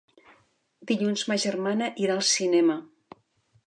Dilluns ma germana irà al cinema.